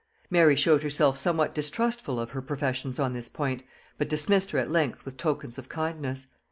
Mary showed herself somewhat distrustful of her professions on this point, but dismissed her at length with tokens of kindness.